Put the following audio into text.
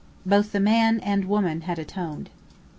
Both the man and woman had atoned.